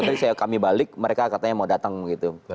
nanti kami balik mereka katanya mau datang gitu